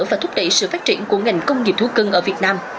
và thúc đẩy sự phát triển của ngành công nghiệp thú cưng ở việt nam